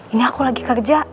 ini aku lagi kerja